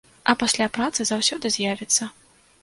А пасля праца заўсёды з'явіцца.